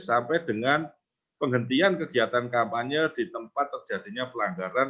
sampai dengan penghentian kegiatan kampanye di tempat terjadinya pelanggaran